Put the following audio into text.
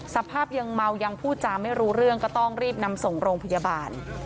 สภาพยังเมายังพูดจาไม่รู้เรื่องก็ต้องรีบนำส่งโรงพยาบาล